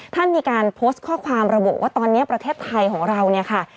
ท่านมีการโพสต์ข้อความระบุว่าตอนนี้ประเทศไทยของเราเนี่ยค่ะ